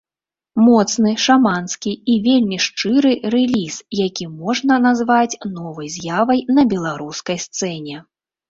Моцны, шаманскі і вельмі шчыры рэліз, які можна назваць новай з'явай на беларускай сцэне.